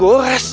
oh makasih ya